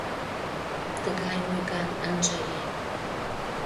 Тыгай ойган ынже лий.